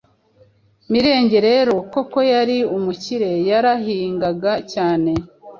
Mirenge rero koko yari umukire. Yarahingaga cyane,